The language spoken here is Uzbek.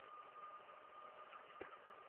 Unga oqqushning ta’rifini aytibdi